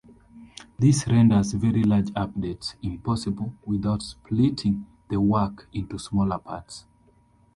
This renders very large updates impossible without splitting the work into smaller parts.